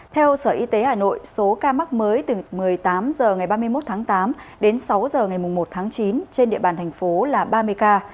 theo sở y tế hà nội số ca mắc mới từ một mươi tám h ngày ba mươi một tháng tám đến sáu h ngày một tháng chín trên địa bàn thành phố là ba mươi ca